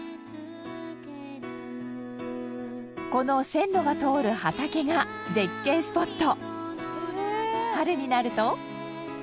この線路が通る畑が絶景スポット。